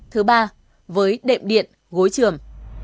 thứ ba với đệm điện gối trường